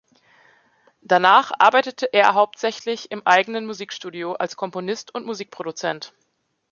Danach arbeitete er hauptsächlich im eigenen Musikstudio als Komponist und Musikproduzent.